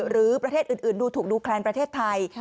หรือประเทศอื่นดูถูกดูแคลนประเทศไทย